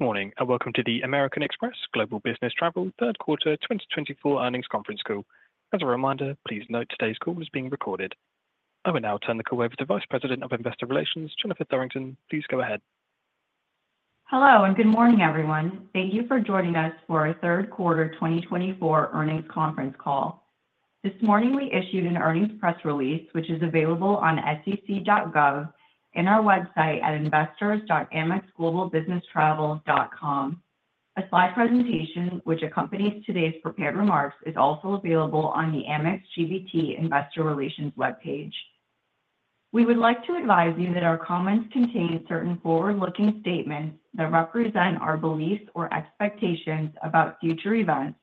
Good morning and welcome to the American Express Global Business Travel third quarter 2024 earnings conference call. As a reminder, please note today's call is being recorded. I will now turn the call over to VP of Investor Relations, Jennifer Thorington. Please go ahead. Hello and good morning, everyone. Thank you for joining us for our third quarter 2024 earnings conference call. This morning we issued an earnings press release, which is available on sec.gov and our website at investors.amexglobalbusinesstravel.com. A slide presentation, which accompanies today's prepared remarks, is also available on the Amex GBT Investor Relations webpage. We would like to advise you that our comments contain certain forward-looking statements that represent our beliefs or expectations about future events,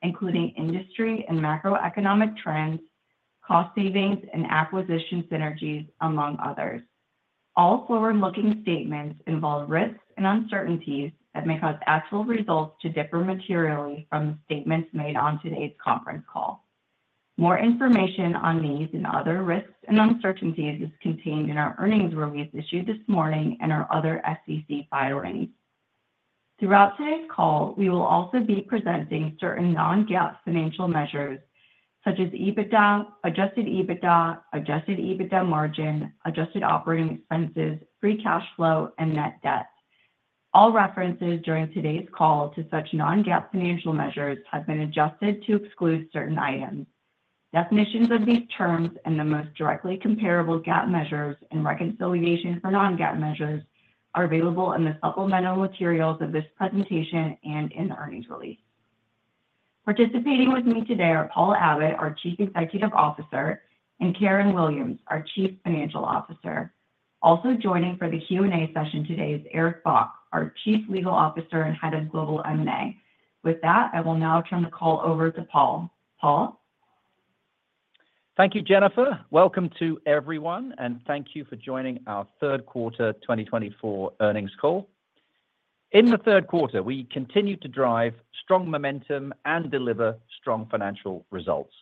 including industry and macroeconomic trends, cost savings, and acquisition synergies, among others. All forward-looking statements involve risks and uncertainties that may cause actual results to differ materially from the statements made on today's conference call. More information on these and other risks and uncertainties is contained in our earnings release issued this morning and our other SEC filings. Throughout today's call, we will also be presenting certain non-GAAP financial measures such as EBITDA, adjusted EBITDA, adjusted EBITDA margin, adjusted operating expenses, free cash flow, and net debt. All references during today's call to such non-GAAP financial measures have been adjusted to exclude certain items. Definitions of these terms and the most directly comparable GAAP measures and reconciliation for non-GAAP measures are available in the supplemental materials of this presentation and in the earnings release. Participating with me today are Paul Abbott, our CEO, and Karen Williams, our CFO. Also joining for the Q&A session today is Eric Bock, our Chief Legal Officer and head of Global M&A. With that, I will now turn the call over to Paul. Paul? Thank you, Jennifer. Welcome to everyone, and thank you for joining our third quarter 2024 earnings call. In the third quarter, we continued to drive strong momentum and deliver strong financial results.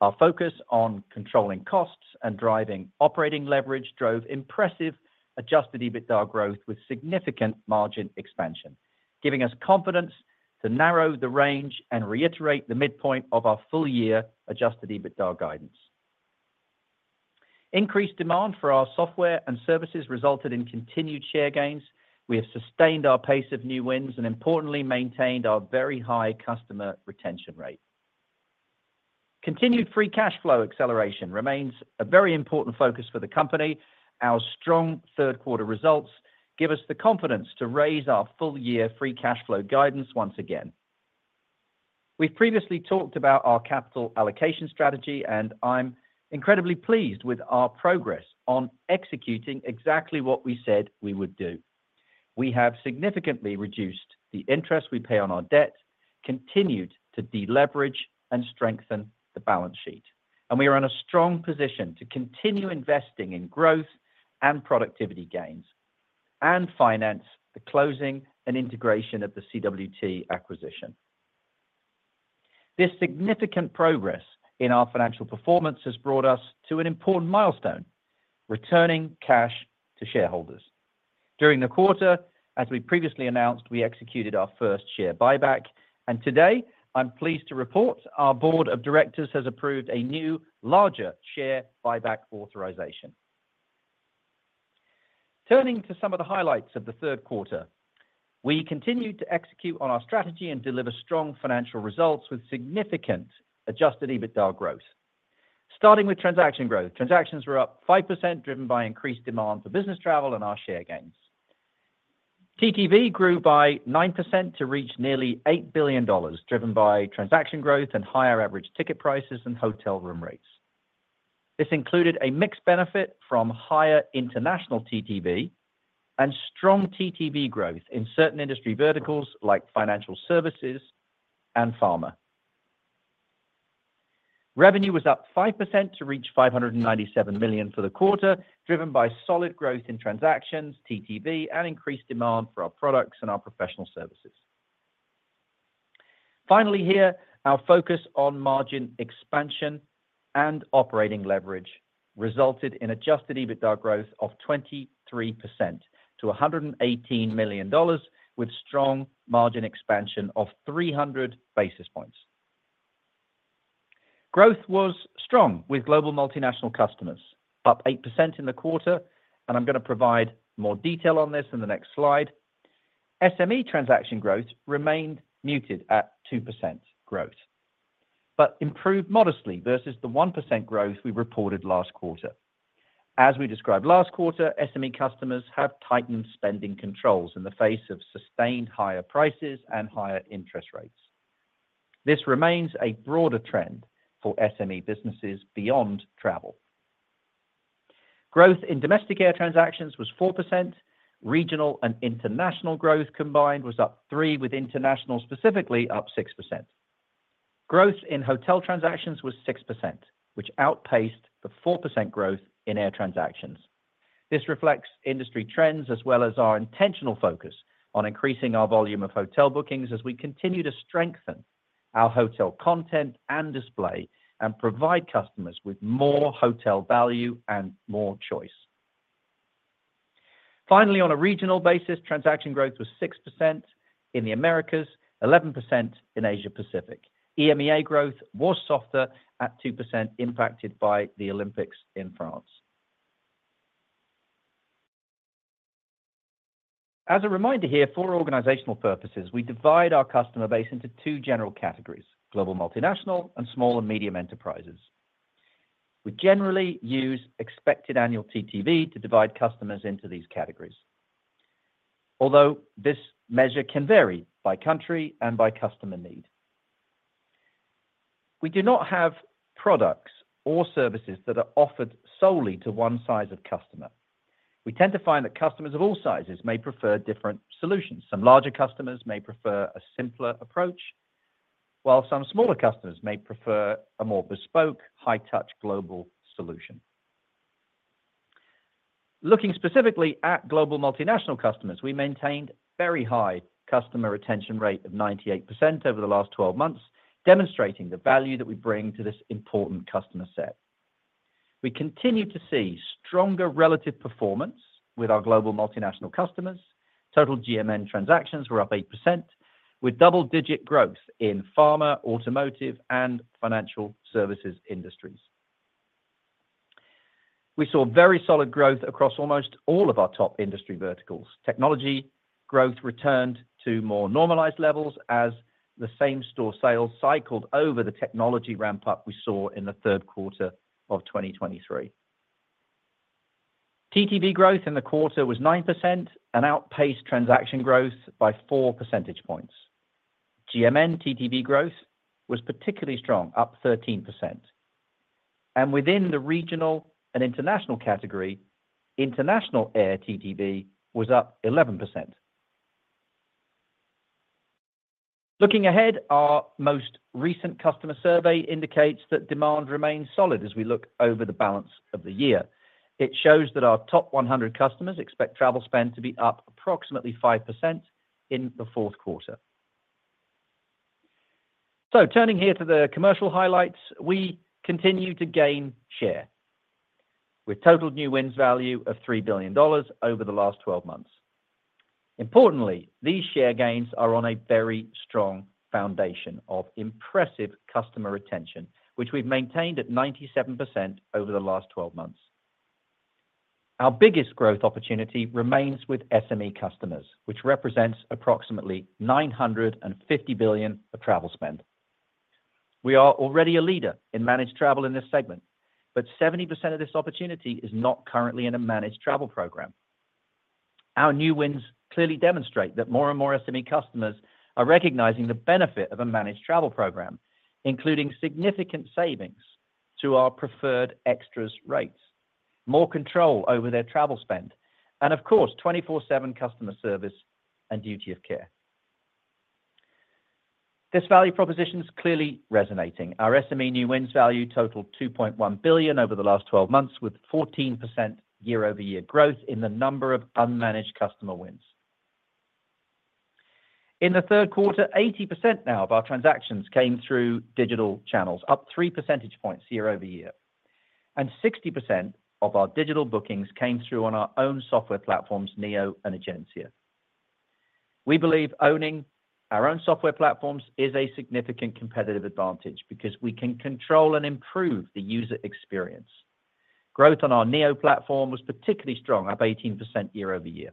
Our focus on controlling costs and driving operating leverage drove impressive Adjusted EBITDA growth with significant margin expansion, giving us confidence to narrow the range and reiterate the midpoint of our full-year Adjusted EBITDA guidance. Increased demand for our software and services resulted in continued share gains. We have sustained our pace of new wins and, importantly, maintained our very high customer retention rate. Continued free cash flow acceleration remains a very important focus for the company. Our strong third quarter results give us the confidence to raise our full-year free cash flow guidance once again. We've previously talked about our capital allocation strategy, and I'm incredibly pleased with our progress on executing exactly what we said we would do. We have significantly reduced the interest we pay on our debt, continued to deleverage, and strengthen the balance sheet, and we are in a strong position to continue investing in growth and productivity gains and finance the closing and integration of the CWT acquisition. This significant progress in our financial performance has brought us to an important milestone: returning cash to shareholders. During the quarter, as we previously announced, we executed our first share buyback, and today I'm pleased to report our board of directors has approved a new, larger share buyback authorization. Turning to some of the highlights of the third quarter, we continued to execute on our strategy and deliver strong financial results with significant Adjusted EBITDA growth. Starting with transaction growth, transactions were up 5%, driven by increased demand for business travel and our share gains. TTV grew by 9% to reach nearly $8 billion, driven by transaction growth and higher average ticket prices and hotel room rates. This included a mixed benefit from higher international TTV and strong TTV growth in certain industry verticals like financial services and pharma. Revenue was up 5% to reach $597 million for the quarter, driven by solid growth in transactions, TTV, and increased demand for our products and our professional services. Finally, here, our focus on margin expansion and operating leverage resulted in adjusted EBITDA growth of 23% to $118 million, with strong margin expansion of 300 basis points. Growth was strong with global multinational customers, up 8% in the quarter, and I'm going to provide more detail on this in the next slide. SME transaction growth remained muted at 2% growth but improved modestly versus the 1% growth we reported last quarter. As we described last quarter, SME customers have tightened spending controls in the face of sustained higher prices and higher interest rates. This remains a broader trend for SME businesses beyond travel. Growth in domestic air transactions was 4%. Regional and international growth combined was up 3%, with international specifically up 6%. Growth in hotel transactions was 6%, which outpaced the 4% growth in air transactions. This reflects industry trends as well as our intentional focus on increasing our volume of hotel bookings as we continue to strengthen our hotel content and display and provide customers with more hotel value and more choice. Finally, on a regional basis, transaction growth was 6% in the Americas, 11% in Asia Pacific. EMEA growth was softer at 2%, impacted by the Olympics in France. As a reminder here, for organizational purposes, we divide our customer base into two general categories: global multinational and small and medium enterprises. We generally use expected annual TTV to divide customers into these categories, although this measure can vary by country and by customer need. We do not have products or services that are offered solely to one size of customer. We tend to find that customers of all sizes may prefer different solutions. Some larger customers may prefer a simpler approach, while some smaller customers may prefer a more bespoke, high-touch global solution. Looking specifically at global multinational customers, we maintained a very high customer retention rate of 98% over the last 12 months, demonstrating the value that we bring to this important customer set. We continue to see stronger relative performance with our global multinational customers. Total GMN transactions were up 8%, with double-digit growth in pharma, automotive, and financial services industries. We saw very solid growth across almost all of our top industry verticals. Technology growth returned to more normalized levels as the same store sales cycled over the technology ramp-up we saw in the third quarter of 2023. TTV growth in the quarter was 9% and outpaced transaction growth by 4 percentage points. GMN TTV growth was particularly strong, up 13%. And within the regional and international category, international air TTV was up 11%. Looking ahead, our most recent customer survey indicates that demand remains solid as we look over the balance of the year. It shows that our top 100 customers expect travel spend to be up approximately 5% in the fourth quarter. So turning here to the commercial highlights, we continue to gain share with total new wins value of $3 billion over the last 12 months. Importantly, these share gains are on a very strong foundation of impressive customer retention, which we've maintained at 97% over the last 12 months. Our biggest growth opportunity remains with SME customers, which represents approximately $950 billion of travel spend. We are already a leader in managed travel in this segment, but 70% of this opportunity is not currently in a managed travel program. Our new wins clearly demonstrate that more and more SME customers are recognizing the benefit of a managed travel program, including significant savings to our Preferred Extras rates, more control over their travel spend, and, of course, 24/7 customer service and duty of care. This value proposition is clearly resonating. Our SME new wins value totaled $2.1 billion over the last 12 months, with 14% year-over-year growth in the number of unmanaged customer wins. In the third quarter, 80% now of our transactions came through digital channels, up 3 percentage points year-over-year, and 60% of our digital bookings came through on our own software platforms, Neo and Egencia. We believe owning our own software platforms is a significant competitive advantage because we can control and improve the user experience. Growth on our Neo platform was particularly strong, up 18% year-over-year.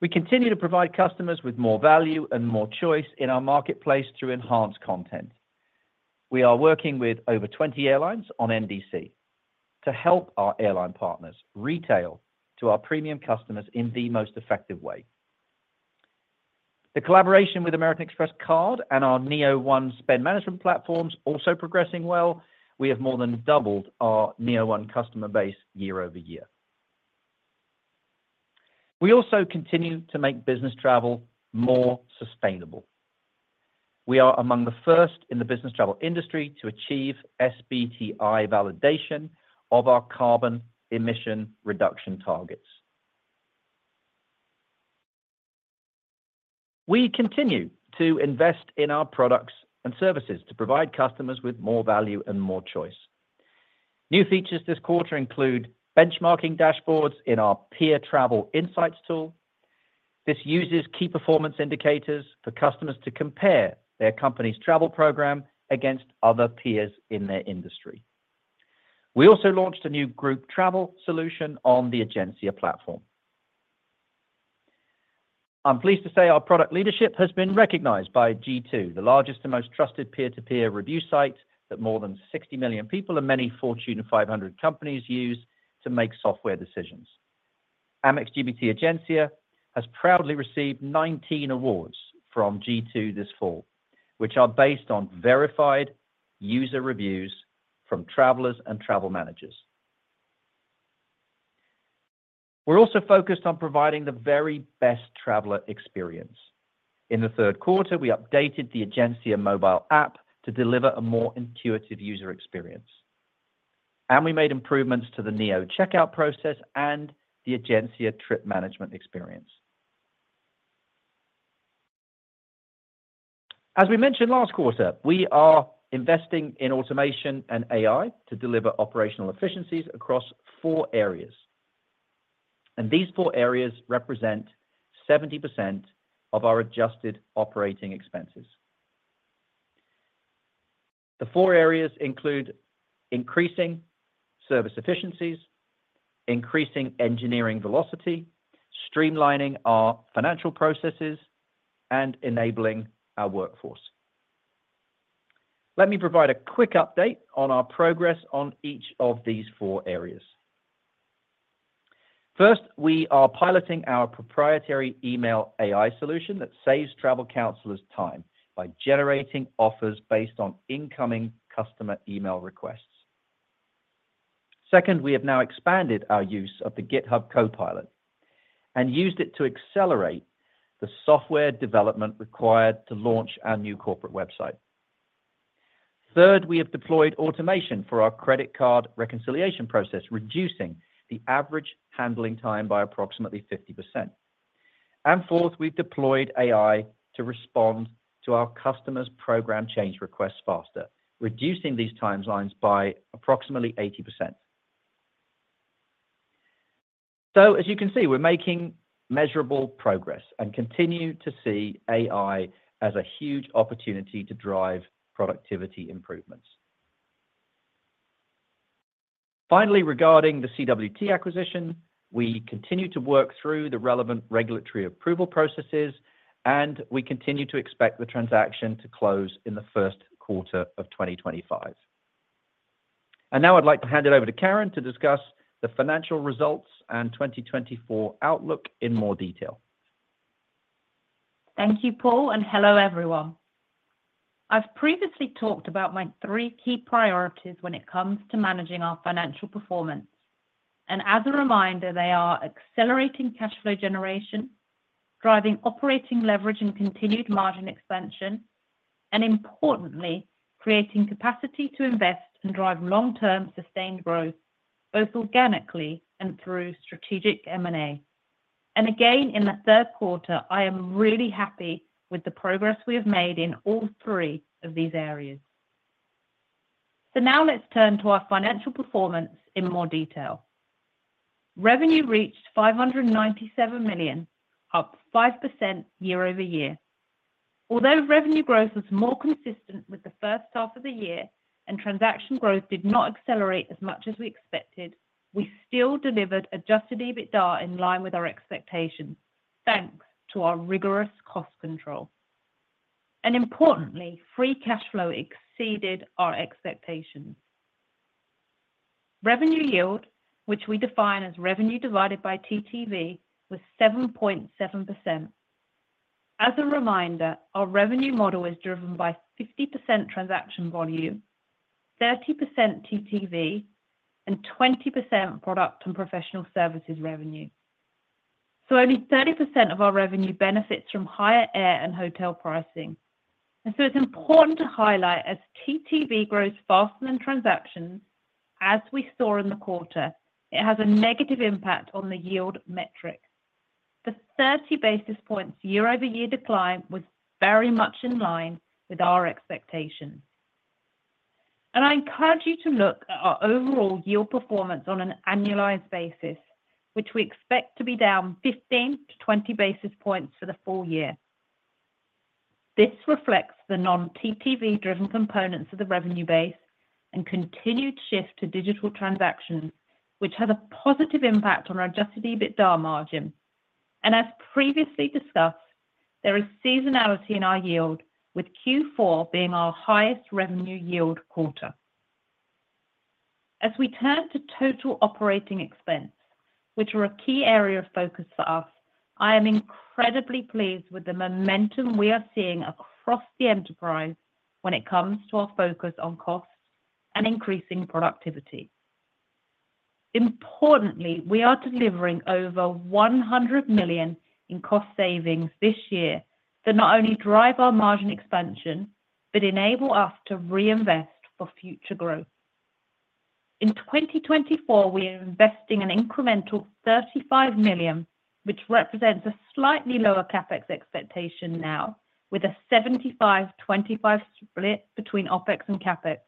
We continue to provide customers with more value and more choice in our marketplace through enhanced content. We are working with over 20 airlines on NDC to help our airline partners retail to our premium customers in the most effective way. The collaboration with American Express Card and our Neo1 spend management platforms is also progressing well. We have more than doubled our Neo1 customer base year-over-year. We also continue to make business travel more sustainable. We are among the first in the business travel industry to achieve SBTi validation of our carbon emission reduction targets. We continue to invest in our products and services to provide customers with more value and more choice. New features this quarter include benchmarking dashboards in our Peer Travel Insights tool. This uses key performance indicators for customers to compare their company's travel program against other peers in their industry. We also launched a new group travel solution on the Egencia platform. I'm pleased to say our product leadership has been recognized by G2, the largest and most trusted peer-to-peer review site that more than 60 million people and many Fortune 500 companies use to make software decisions. Amex GBT Egencia has proudly received 19 awards from G2 this fall, which are based on verified user reviews from travelers and travel managers. We're also focused on providing the very best traveler experience. In the third quarter, we updated the Egencia mobile app to deliver a more intuitive user experience, and we made improvements to the Neo checkout process and the Egencia trip management experience. As we mentioned last quarter, we are investing in automation and AI to deliver operational efficiencies across four areas, and these four areas represent 70% of our adjusted operating expenses. The four areas include increasing service efficiencies, increasing engineering velocity, streamlining our financial processes, and enabling our workforce. Let me provide a quick update on our progress on each of these four areas. First, we are piloting our proprietary email AI solution that saves travel counselors time by generating offers based on incoming customer email requests. Second, we have now expanded our use of the GitHub Copilot and used it to accelerate the software development required to launch our new corporate website. Third, we have deployed automation for our credit card reconciliation process, reducing the average handling time by approximately 50%. And fourth, we've deployed AI to respond to our customers' program change requests faster, reducing these timelines by approximately 80%. So, as you can see, we're making measurable progress and continue to see AI as a huge opportunity to drive productivity improvements. Finally, regarding the CWT acquisition, we continue to work through the relevant regulatory approval processes, and we continue to expect the transaction to close in the first quarter of 2025. Now I'd like to hand it over to Karen to discuss the financial results and 2024 outlook in more detail. Thank you, Paul, and hello, everyone. I've previously talked about my three key priorities when it comes to managing our financial performance. As a reminder, they are accelerating cash flow generation, driving operating leverage and continued margin expansion, and importantly, creating capacity to invest and drive long-term sustained growth, both organically and through strategic M&A. Again, in the third quarter, I am really happy with the progress we have made in all three of these areas. So now let's turn to our financial performance in more detail. Revenue reached $597 million, up 5% year-over-year. Although revenue growth was more consistent with the first half of the year and transaction growth did not accelerate as much as we expected, we still delivered Adjusted EBITDA in line with our expectations, thanks to our rigorous cost control. Importantly, free cash flow exceeded our expectations. Revenue yield, which we define as revenue divided by TTV, was 7.7%. As a reminder, our revenue model is driven by 50% transaction volume, 30% TTV, and 20% product and professional services revenue. Only 30% of our revenue benefits from higher air and hotel pricing. It's important to highlight, as TTV grows faster than transactions, as we saw in the quarter, it has a negative impact on the yield metrics. The 30 basis points year-over-year decline was very much in line with our expectations. I encourage you to look at our overall yield performance on an annualized basis, which we expect to be down 15-20 basis points for the full year. This reflects the non-TTV-driven components of the revenue base and continued shift to digital transactions, which has a positive impact on our adjusted EBITDA margin. As previously discussed, there is seasonality in our yield, with Q4 being our highest revenue yield quarter. As we turn to total operating expense, which are a key area of focus for us, I am incredibly pleased with the momentum we are seeing across the enterprise when it comes to our focus on cost and increasing productivity. Importantly, we are delivering over $100 million in cost savings this year that not only drive our margin expansion but enable us to reinvest for future growth. In 2024, we are investing an incremental $35 million, which represents a slightly lower CapEx expectation now, with a 75-25 split between OpEx and CapEx.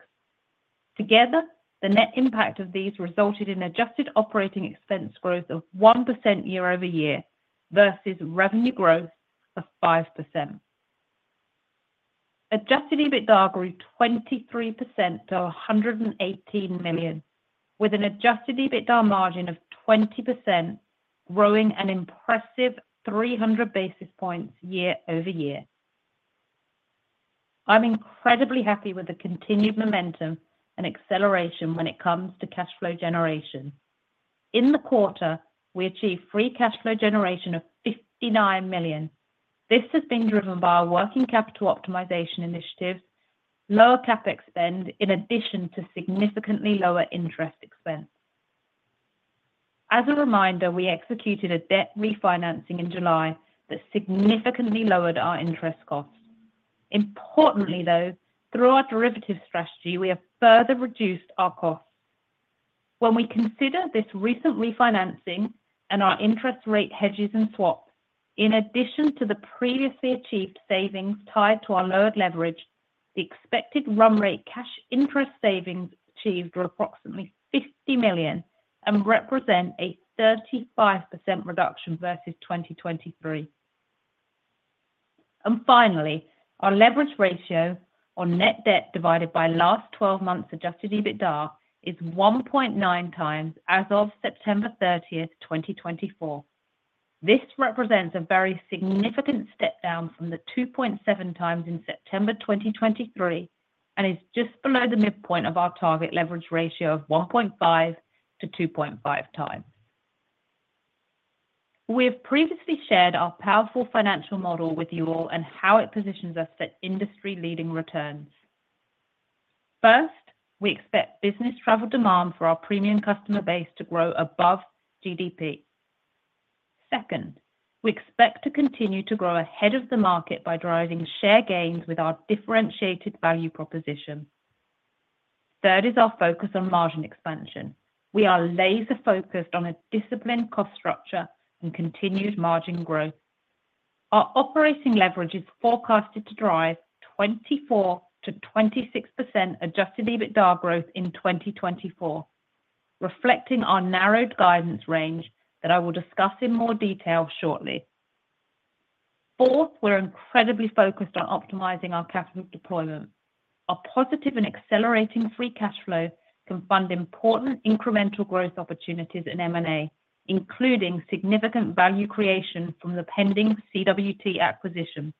Together, the net impact of these resulted in adjusted operating expense growth of 1% year-over-year versus revenue growth of 5%. Adjusted EBITDA grew 23% to $118 million, with an adjusted EBITDA margin of 20%, growing an impressive 300 basis points year-over-year. I'm incredibly happy with the continued momentum and acceleration when it comes to cash flow generation. In the quarter, we achieved free cash flow generation of $59 million. This has been driven by our working capital optimization initiatives, lower CapEx spend, in addition to significantly lower interest expense. As a reminder, we executed a debt refinancing in July that significantly lowered our interest costs. Importantly, though, through our derivatives strategy, we have further reduced our costs. When we consider this recent refinancing and our interest rate hedges and swaps, in addition to the previously achieved savings tied to our lowered leverage, the expected run rate cash interest savings achieved were approximately $50 million and represent a 35% reduction versus 2023, and finally, our leverage ratio on net debt divided by last 12 months' Adjusted EBITDA is 1.9 times as of September 30th, 2024. This represents a very significant step down from the 2.7 times in September 2023 and is just below the midpoint of our target leverage ratio of 1.5 to 2.5 times. We have previously shared our powerful financial model with you all and how it positions us at industry-leading returns. First, we expect business travel demand for our premium customer base to grow above GDP. Second, we expect to continue to grow ahead of the market by driving share gains with our differentiated value proposition. Third is our focus on margin expansion. We are laser-focused on a disciplined cost structure and continued margin growth. Our operating leverage is forecasted to drive 24%-26% Adjusted EBITDA growth in 2024, reflecting our narrowed guidance range that I will discuss in more detail shortly. Fourth, we're incredibly focused on optimizing our capital deployment. Our positive and accelerating free cash flow can fund important incremental growth opportunities in M&A, including significant value creation from the pending CWT acquisition.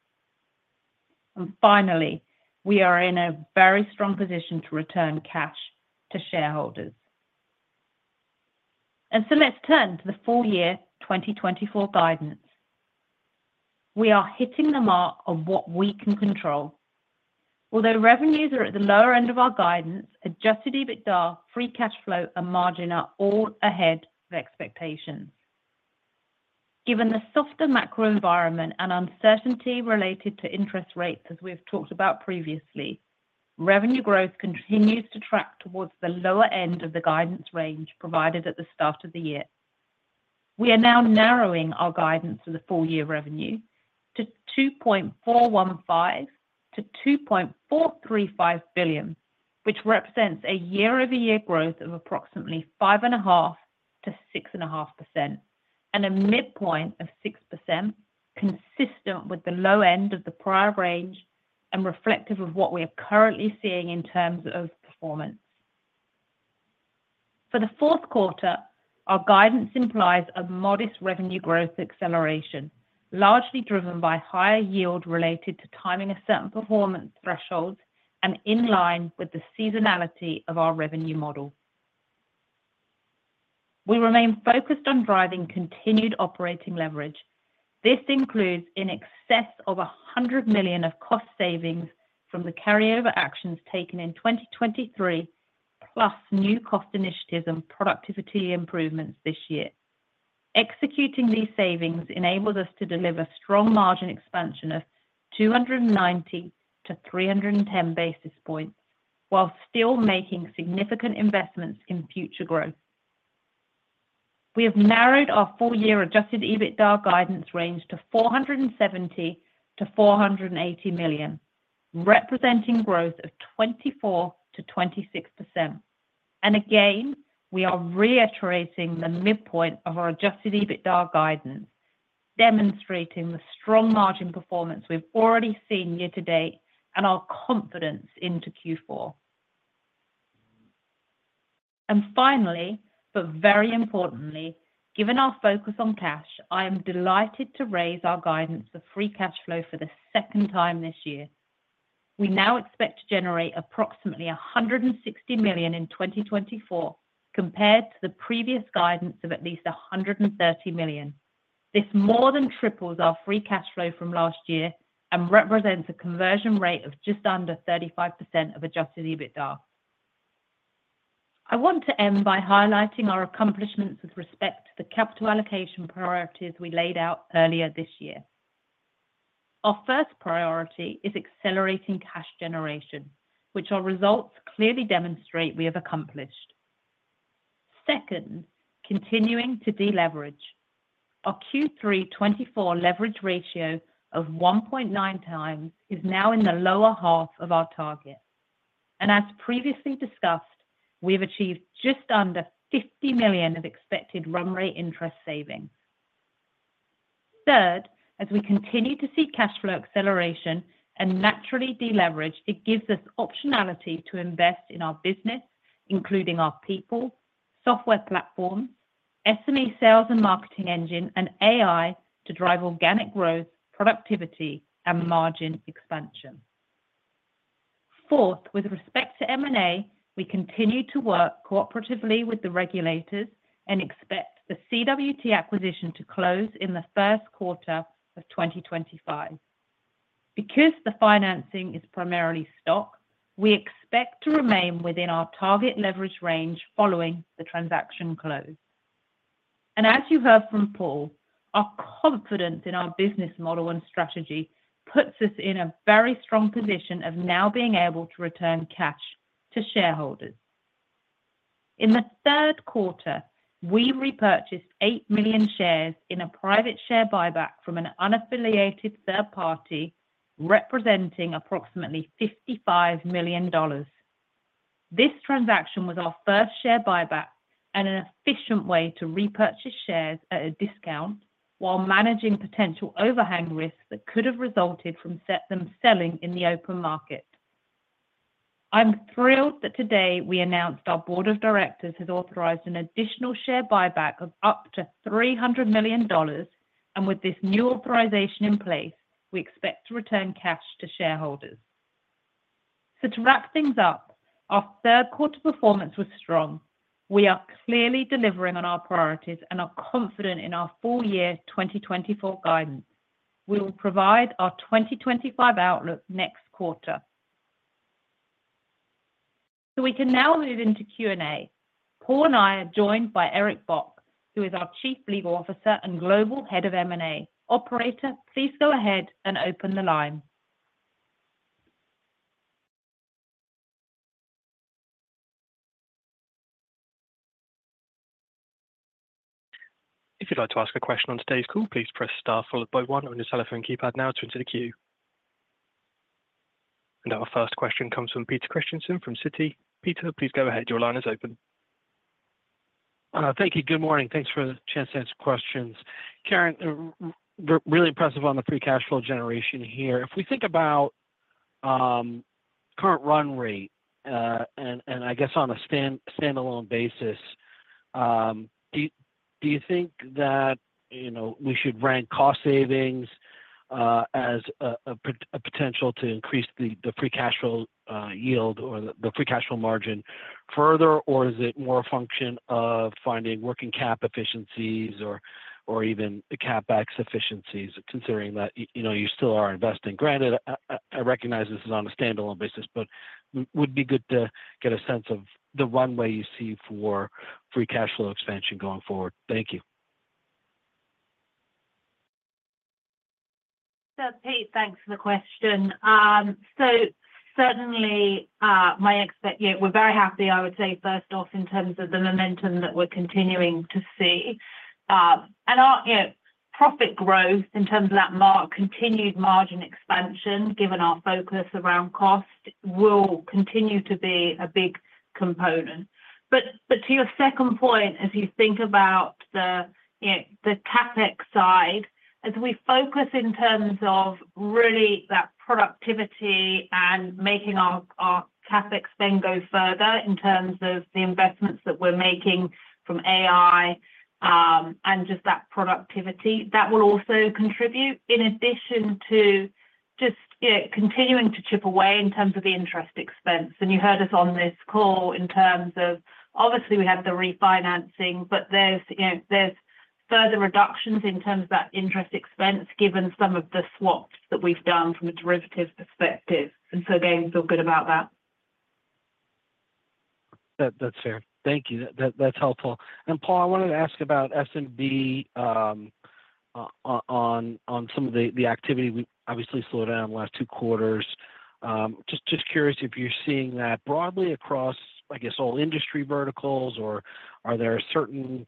And finally, we are in a very strong position to return cash to shareholders. And so let's turn to the full year 2024 guidance. We are hitting the mark of what we can control. Although revenues are at the lower end of our guidance, Adjusted EBITDA, free cash flow, and margin are all ahead of expectations. Given the softer macro environment and uncertainty related to interest rates, as we've talked about previously, revenue growth continues to track towards the lower end of the guidance range provided at the start of the year. We are now narrowing our guidance for the full year revenue to $2.415 billion-$2.435 billion, which represents a year-over-year growth of approximately 5.5%-6.5% and a midpoint of 6% consistent with the low end of the prior range and reflective of what we are currently seeing in terms of performance. For the fourth quarter, our guidance implies a modest revenue growth acceleration, largely driven by higher yield related to timing of certain performance thresholds and in line with the seasonality of our revenue model. We remain focused on driving continued operating leverage. This includes in excess of $100 million of cost savings from the carryover actions taken in 2023, plus new cost initiatives and productivity improvements this year. Executing these savings enables us to deliver strong margin expansion of 290-310 basis points while still making significant investments in future growth. We have narrowed our full year Adjusted EBITDA guidance range to $470 million-$480 million, representing growth of 24%-26%, and again, we are reiterating the midpoint of our Adjusted EBITDA guidance, demonstrating the strong margin performance we've already seen year to date and our confidence into Q4, and finally, but very importantly, given our focus on cash, I am delighted to raise our guidance for free cash flow for the second time this year. We now expect to generate approximately $160 million in 2024, compared to the previous guidance of at least $130 million. This more than triples our free cash flow from last year and represents a conversion rate of just under 35% of adjusted EBITDA. I want to end by highlighting our accomplishments with respect to the capital allocation priorities we laid out earlier this year. Our first priority is accelerating cash generation, which our results clearly demonstrate we have accomplished. Second, continuing to deleverage. Our Q3 2024 leverage ratio of 1.9 times is now in the lower half of our target. And as previously discussed, we have achieved just under $50 million of expected run rate interest savings. Third, as we continue to see cash flow acceleration and naturally deleverage, it gives us optionality to invest in our business, including our people, software platforms, SME sales and marketing engine, and AI to drive organic growth, productivity, and margin expansion. Fourth, with respect to M&A, we continue to work cooperatively with the regulators and expect the CWT acquisition to close in the first quarter of 2025. Because the financing is primarily stock, we expect to remain within our target leverage range following the transaction close. And as you heard from Paul, our confidence in our business model and strategy puts us in a very strong position of now being able to return cash to shareholders. In the third quarter, we repurchased 8 million shares in a private share buyback from an unaffiliated third party, representing approximately $55 million. This transaction was our first share buyback and an efficient way to repurchase shares at a discount while managing potential overhang risks that could have resulted from them selling in the open market. I'm thrilled that today we announced our board of directors has authorized an additional share buyback of up to $300 million, and with this new authorization in place, we expect to return cash to shareholders, so to wrap things up, our third quarter performance was strong. We are clearly delivering on our priorities and are confident in our full year 2024 guidance. We will provide our 2025 outlook next quarter, so we can now move into Q&A. Paul and I are joined by Eric Bock, who is our Chief Legal Officer and Global Head of M&A. Operator, please go ahead and open the line. If you'd like to ask a question on today's call, please press star followed by one on your telephone keypad now to enter the queue. Our first question comes from Peter Christiansen from Citi. Peter, please go ahead. Your line is open. Thank you. Good morning. Thanks for the chance to ask questions. Karen, really impressive on the free cash flow generation here. If we think about current run rate and I guess on a standalone basis, do you think that we should rank cost savings as a potential to increase the free cash flow yield or the free cash flow margin further, or is it more a function of finding working cap efficiencies or even CapEx efficiencies, considering that you still are investing? Granted, I recognize this is on a standalone basis, but it would be good to get a sense of the runway you see for free cash flow expansion going forward. Thank you. So Pete, thanks for the question. So certainly, we're very happy, I would say, first off, in terms of the momentum that we're continuing to see. And our profit growth in terms of that marked continued margin expansion, given our focus around cost, will continue to be a big component. But to your second point, as you think about the CapEx side, as we focus in terms of really that productivity and making our CapEx then go further in terms of the investments that we're making from AI and just that productivity, that will also contribute in addition to just continuing to chip away in terms of the interest expense. And you heard us on this call in terms of, obviously, we have the refinancing, but there's further reductions in terms of that interest expense given some of the swaps that we've done from a derivatives perspective. And so again, feel good about that. That's fair. Thank you. That's helpful. And Paul, I wanted to ask about SMB on some of the activity we obviously slowed down in the last two quarters. Just curious if you're seeing that broadly across, I guess, all industry verticals, or are there certain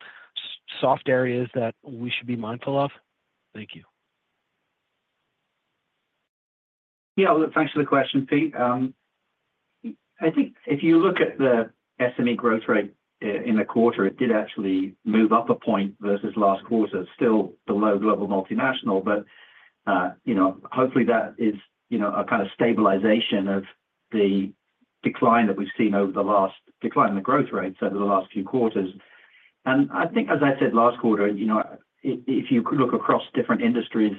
soft areas that we should be mindful of? Thank you. Yeah, thanks for the question, Pete. I think if you look at the SME growth rate in the quarter, it did actually move up a point versus last quarter, still below global multinational. Hopefully, that is a kind of stabilization of the decline that we've seen in the growth rates over the last few quarters. I think, as I said, last quarter, if you look across different industries,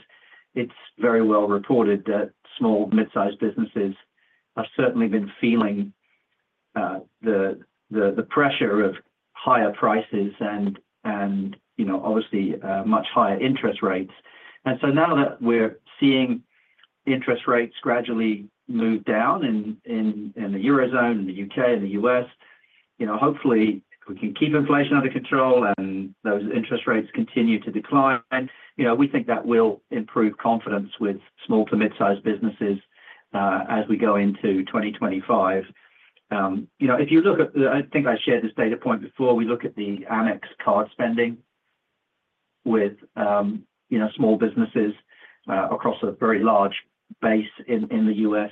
it's very well reported that small, mid-sized businesses have certainly been feeling the pressure of higher prices and, obviously, much higher interest rates. Now that we're seeing interest rates gradually move down in the Eurozone, in the U.K., in the U.S., hopefully, if we can keep inflation under control and those interest rates continue to decline, we think that will improve confidence with small to mid-sized businesses as we go into 2025. If you look at, I think I shared this data point before, we look at the Amex card spending with small businesses across a very large base in the U.S.,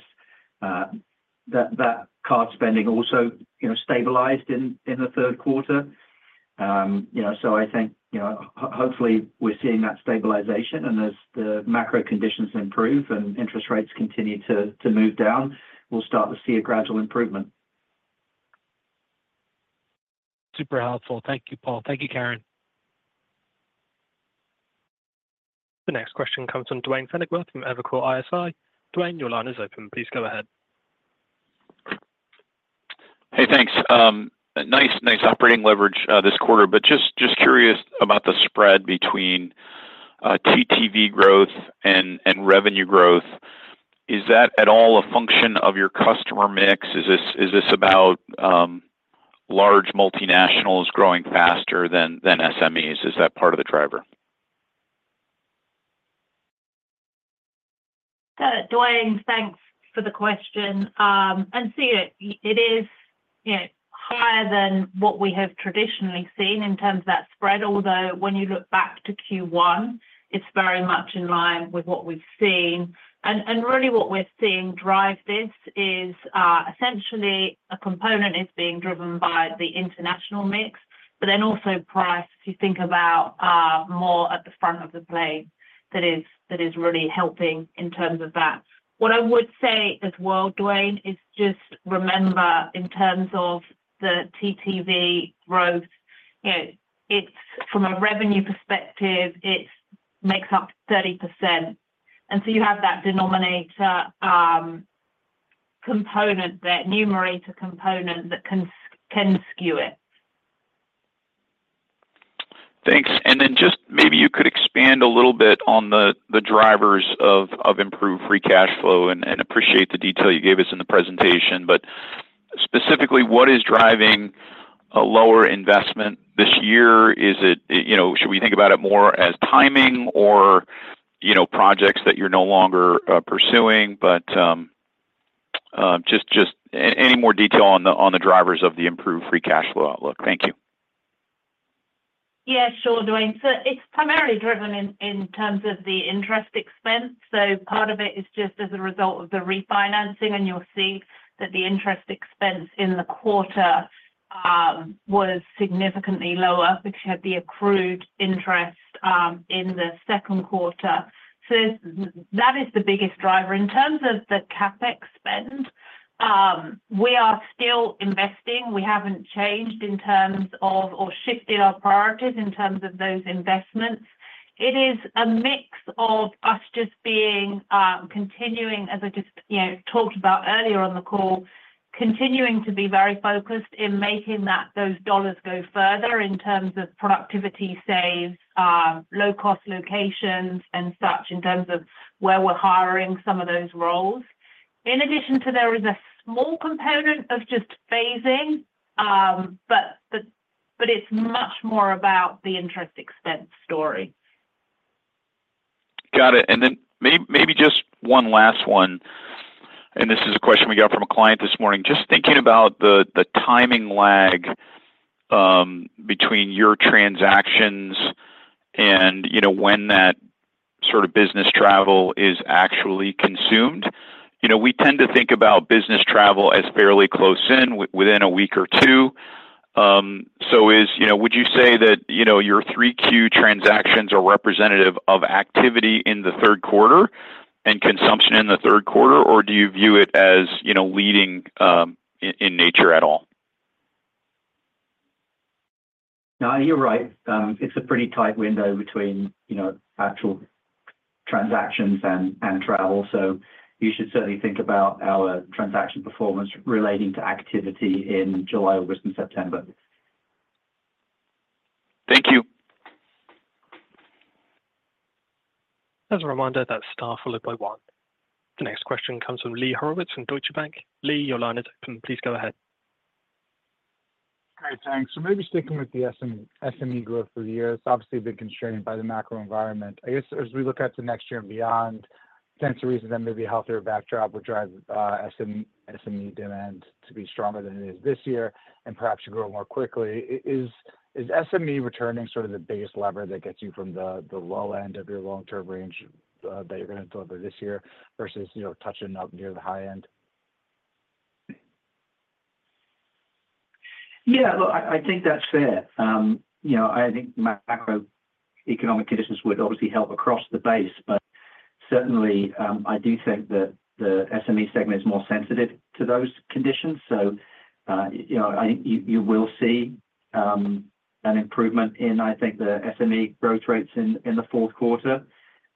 that card spending also stabilized in the third quarter. So I think, hopefully, we're seeing that stabilization, and as the macro conditions improve and interest rates continue to move down, we'll start to see a gradual improvement. Super helpful. Thank you, Paul. Thank you, Karen. The next question comes from Duane Pfennigwerth from Evercore ISI. Duane, your line is open. Please go ahead. Hey, thanks. Nice operating leverage this quarter, but just curious about the spread between TTV growth and revenue growth. Is that at all a function of your customer mix? Is this about large multinationals growing faster than SMEs? Is that part of the driver? Duane, thanks for the question. And see, it is higher than what we have traditionally seen in terms of that spread, although when you look back to Q1, it's very much in line with what we've seen. And really, what we're seeing drive this is essentially a component is being driven by the international mix, but then also price, if you think about more at the front of the plane that is really helping in terms of that. What I would say as well, Duane, is just remember in terms of the TTV growth, from a revenue perspective, it makes up 30%. And so you have that denominator component, that numerator component that can skew it. Thanks. And then just maybe you could expand a little bit on the drivers of improved free cash flow and appreciate the detail you gave us in the presentation. But specifically, what is driving a lower investment this year? Should we think about it more as timing or projects that you're no longer pursuing? But just any more detail on the drivers of the improved free cash flow outlook. Thank you. Yeah, sure, Duane. So it's primarily driven in terms of the interest expense. So part of it is just as a result of the refinancing, and you'll see that the interest expense in the quarter was significantly lower because you had the accrued interest in the second quarter. So that is the biggest driver. In terms of the CapEx spend, we are still investing. We haven't changed in terms of or shifted our priorities in terms of those investments. It is a mix of us just being continuing, as I just talked about earlier on the call, continuing to be very focused in making those dollars go further in terms of productivity saves, low-cost locations, and such in terms of where we're hiring some of those roles. In addition to, there is a small component of just phasing, but it's much more about the interest expense story. Got it. And then maybe just one last one. And this is a question we got from a client this morning. Just thinking about the timing lag between your transactions and when that sort of business travel is actually consumed. We tend to think about business travel as fairly close in, within a week or two. So would you say that your 3Q transactions are representative of activity in the third quarter and consumption in the third quarter, or do you view it as leading in nature at all? No, you're right. It's a pretty tight window between actual transactions and travel. So you should certainly think about our transaction performance relating to activity in July, August, and September. Thank you. As a reminder, that's star followed by one. The next question comes from Lee Horowitz from Deutsche Bank. Lee, your line is open. Please go ahead. Great. Thanks. So maybe sticking with the SME growth for the year, it's obviously been constrained by the macro environment. I guess as we look at the next year and beyond, potential reasons that maybe a healthier backdrop would drive SME demand to be stronger than it is this year and perhaps grow more quickly. Is SME returning sort of the base lever that gets you from the low end of your long-term range that you're going to deliver this year versus touching up near the high end? Yeah, look, I think that's fair. I think macroeconomic conditions would obviously help across the base, but certainly, I do think that the SME segment is more sensitive to those conditions, so I think you will see an improvement in, I think, the SME growth rates in the fourth quarter,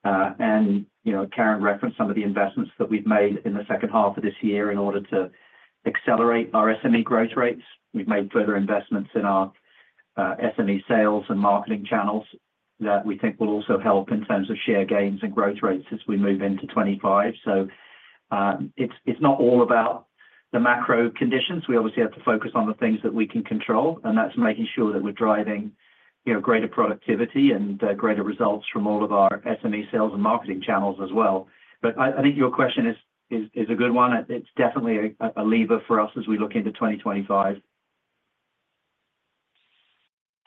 and Karen referenced some of the investments that we've made in the second half of this year in order to accelerate our SME growth rates. We've made further investments in our SME sales and marketing channels that we think will also help in terms of share gains and growth rates as we move into 2025, so it's not all about the macro conditions. We obviously have to focus on the things that we can control, and that's making sure that we're driving greater productivity and greater results from all of our SME sales and marketing channels as well. But I think your question is a good one. It's definitely a lever for us as we look into 2025.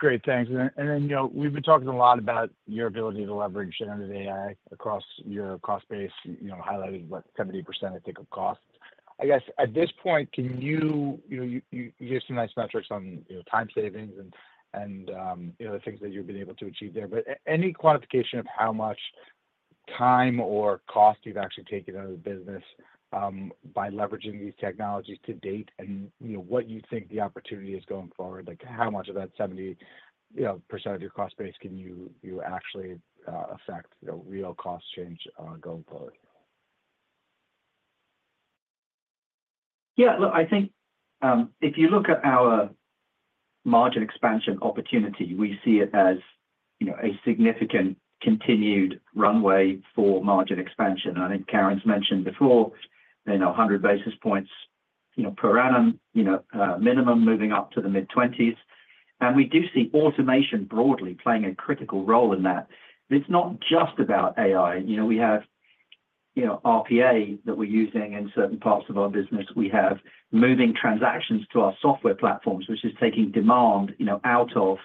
Great. Thanks. And then we've been talking a lot about your ability to leverage generative AI across your cost base, highlighting about 70%, I think, of cost. I guess at this point, can you give some nice metrics on time savings and the things that you've been able to achieve there? But any quantification of how much time or cost you've actually taken out of the business by leveraging these technologies to date and what you think the opportunity is going forward? How much of that 70% of your cost base can you actually affect real cost change going forward? Yeah. Look, I think if you look at our margin expansion opportunity, we see it as a significant continued runway for margin expansion. And I think Karen's mentioned before, 100 basis points per annum minimum moving up to the mid-20s. And we do see automation broadly playing a critical role in that. It's not just about AI. We have RPA that we're using in certain parts of our business. We have moving transactions to our software platforms, which is taking demand out of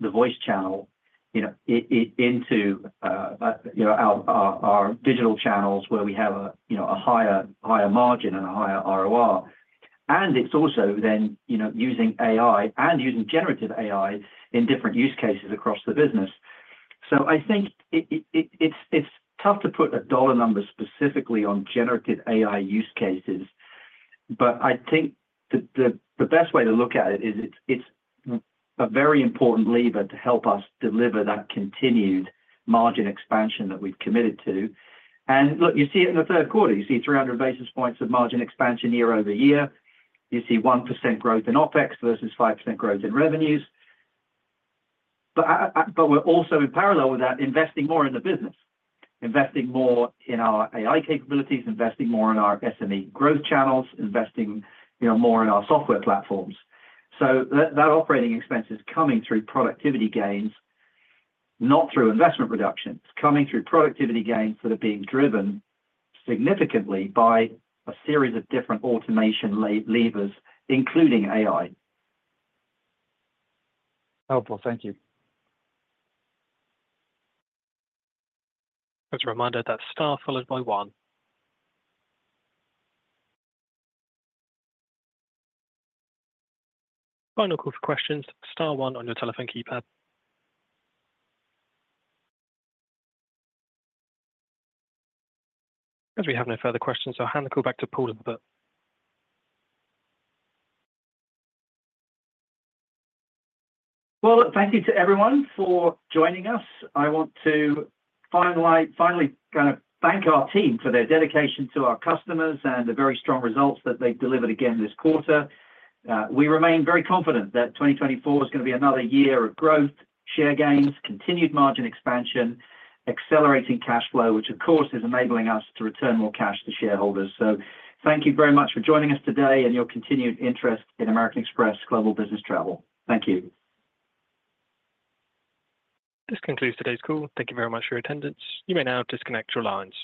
the voice channel into our digital channels where we have a higher margin and a higher ROR. And it's also then using AI and using generative AI in different use cases across the business. So I think it's tough to put a dollar number specifically on generative AI use cases, but I think the best way to look at it is it's a very important lever to help us deliver that continued margin expansion that we've committed to. And look, you see it in the third quarter. You see 300 basis points of margin expansion year-over-year. You see 1% growth in OpEx versus 5% growth in revenues. But we're also, in parallel with that, investing more in the business, investing more in our AI capabilities, investing more in our SME growth channels, investing more in our software platforms. So that operating expense is coming through productivity gains, not through investment reductions. It's coming through productivity gains that are being driven significantly by a series of different automation levers, including AI. Helpful. Thank you. As a reminder, that's star followed by one. Final call for questions. Star one on your telephone keypad. As we have no further questions, I'll hand the call back to Paul Abbott. Thank you to everyone for joining us. I want to finally kind of thank our team for their dedication to our customers and the very strong results that they've delivered again this quarter. We remain very confident that 2024 is going to be another year of growth, share gains, continued margin expansion, accelerating cash flow, which, of course, is enabling us to return more cash to shareholders. So thank you very much for joining us today and your continued interest in American Express Global Business Travel. Thank you. This concludes today's call. Thank you very much for your attendance. You may now disconnect your lines.